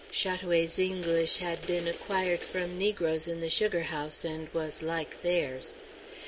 (Chat oué's English had been acquired from negroes in the sugar house, and was like theirs.)